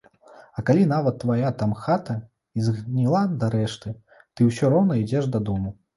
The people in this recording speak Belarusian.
А калі нават твая там хата і згніла дарэшты, ты ўсё роўна ідзеш дадому.